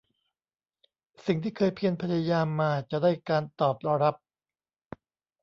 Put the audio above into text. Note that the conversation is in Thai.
สิ่งที่เคยเพียรพยายามมาจะได้การตอบรับ